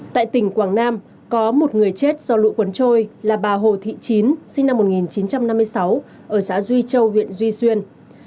tại tỉnh quảng nam có một người chết do lũ cuốn trôi là bà hồ thị chín sinh năm một nghìn chín trăm năm mươi sáu ở xã duy châu huyện duy xuyên